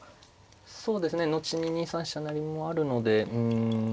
そうですね後に２三飛車成もあるのでうん。